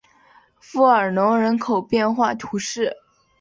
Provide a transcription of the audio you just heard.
弗尔农人口变化图示